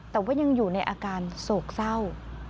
แต่ว่ายังอยู่ในอาการโศกเศร้า